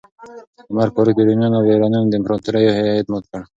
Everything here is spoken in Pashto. عمر فاروق د رومیانو او ایرانیانو د امپراتوریو هیبت مات کړ.